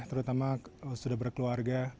terutama sudah berkeluarga